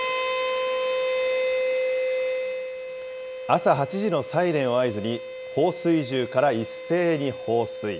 朝８時のサイレンを合図に放水銃から一斉に放水。